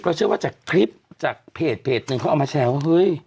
เชื่อว่าจากคลิปจากเพจหนึ่งเขาเอามาแชร์ว่าเฮ้ย